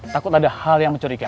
takut ada hal yang mencurigakan